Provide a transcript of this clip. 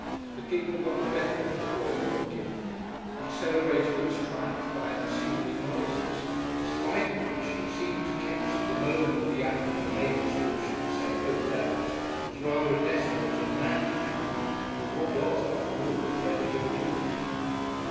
The giggle got the better of the boy with the gift, and celebrated its triumph by unseemly noises; in spite of which it seemed to Kipps at the moment that the act that had made Miss Walshingham say "Oh, don't!" was rather a desperate and manly treatment of what was after all a creditable injury.